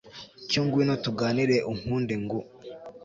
cyo ngwino tuganire unkunde ngu